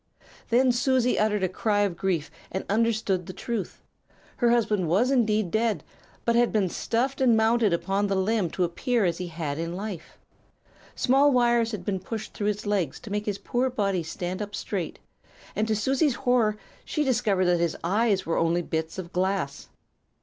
"Then Susie uttered a cry of grief, and understood the truth. Her husband was indeed dead, but had been stuffed and mounted upon the limb to appear as he had in life. Small wires had been pushed through his legs to make his poor body stand up straight, and to Susie's horror she discovered that his eyes were only bits of glass!